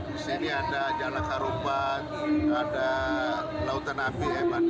di sini ada jalan karupat ada lautan api eman